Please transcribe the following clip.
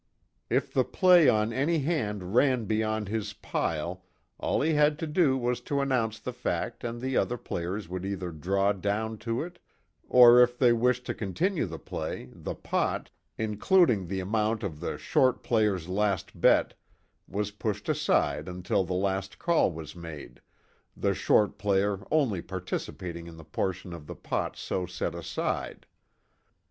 If the play on any hand ran beyond his "pile" all he had to do was to announce the fact and the other players would either draw down to it, or if they wished to continue the play, the pot, including the amount of the "short" player's last bet was pushed aside until the last call was made, the "short" player only participating in the portion of the pot so set aside.